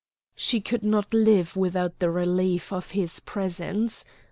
She could not live without the relief of his presence.